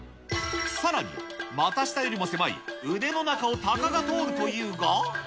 さらに、股下よりも狭い腕の中をたかが通るというが。